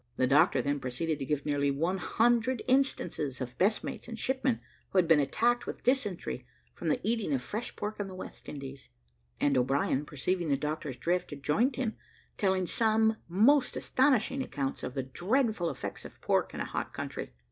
The doctor then proceeded to give nearly one hundred instances of messmates and shipmen who had been attacked with dysentery, from the eating of fresh pork in the West Indies; and O'Brien, perceiving the doctor's drift, joined him, telling some most astonishing accounts of the dreadful effects of pork in a hot country.